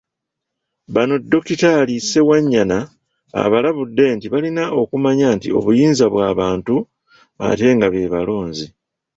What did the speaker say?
Bano Dokitaali Ssewanyana abalabudde nti balina okumanya nti obuyinza bw'abantu ate nga be balonzi.